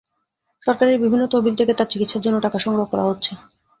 সরকারের বিভিন্ন তহবিল থেকে তার চিকিৎসার জন্য টাকা সংগ্রহ করা হচ্ছে।